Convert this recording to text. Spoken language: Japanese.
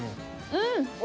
うん。